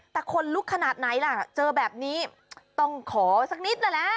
แต่คนลุกขนาดไหนล่ะเจอแบบนี้ต้องขอสักนิดนั่นแหละ